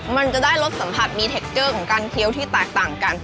มันจะได้รสสัมผัสมีเทคเกอร์ของการเคี้ยวที่แตกต่างกัน